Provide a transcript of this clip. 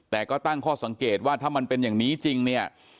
แต่ก็ตั้งข้อสังเกตว่าถ้ามันเป็นอย่างนี้จริงเนี่ย